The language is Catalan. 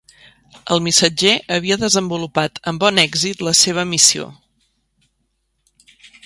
El missatger havia desenvolupat amb bon èxit la seva missió.